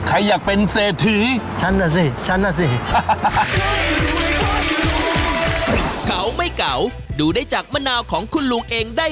ใครอยากเป็นเศรษฐีฉันน่ะสิฉันน่ะสิ